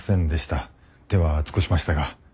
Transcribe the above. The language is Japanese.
手は尽くしましたが。